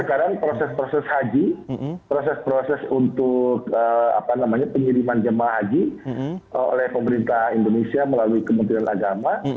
sekarang proses proses haji proses proses untuk pengiriman jemaah haji oleh pemerintah indonesia melalui kementerian agama